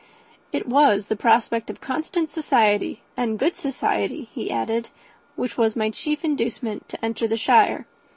"It was the prospect of constant society, and good society," he added, "which was my chief inducement to enter the shire.